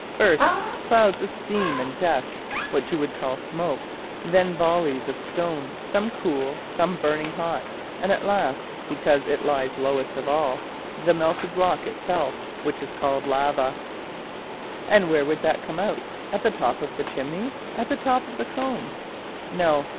First, clouds of steam and dust (what you would call smoke); then volleys of stones, some cool, some burning hot; and at the last, because it lies lowest of all, the melted rock itself, which is called lava. And where would that come out? At the top of the chimney? At the top of the cone? No.